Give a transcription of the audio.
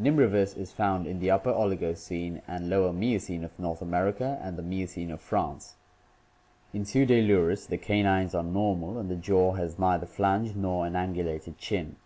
Nimravus is found in the Upper Oligocene and Lower Miocene of North America and the Miocene of France. In Pseudaiurus the canines are normal and the jaw has neither flange nor an angulated chin.